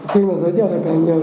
khi mà giới thiệu càng nhiều